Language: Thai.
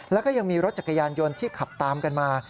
แล้วก็ยังมีรถจักรยานยนต์ที่ขับตามกันมา